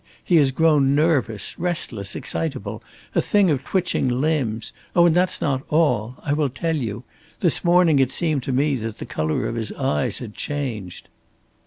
He has grown nervous, restless, excitable, a thing of twitching limbs. Oh, and that's not all. I will tell you. This morning it seemed to me that the color of his eyes had changed."